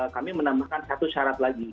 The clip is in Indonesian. kami menambahkan satu syarat lagi